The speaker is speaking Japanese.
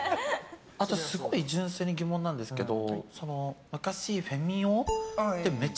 すごい純粋に疑問なんですけど。